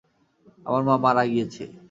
আমার মা মারা গিয়েছে।